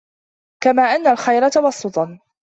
كَمَا أَنَّ الْخَيْرَ تَوَسُّطٌ